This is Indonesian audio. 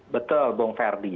betul bung ferdi